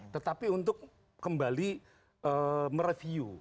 tetapi untuk kembali mereview